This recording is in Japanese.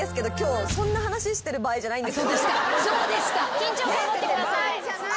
緊張感持ってください。